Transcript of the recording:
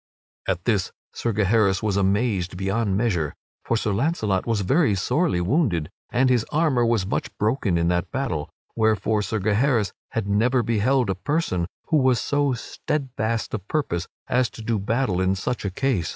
At this Sir Gaheris was amazed beyond measure, for Sir Launcelot was very sorely wounded, and his armor was much broken in that battle, wherefore Sir Gaheris had never beheld a person who was so steadfast of purpose as to do battle in such a case.